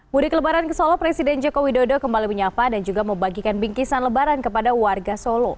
mudik lebaran ke solo presiden joko widodo kembali menyapa dan juga membagikan bingkisan lebaran kepada warga solo